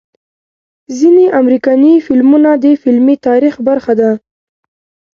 ځنې امريکني فلمونه د فلمي تاريخ برخه ده